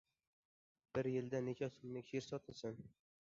Bir yilda necha so‘mlik she’r sotasan?